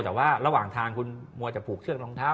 แต่ว่าระหว่างทางคุณมัวจะผูกเชือกรองเท้า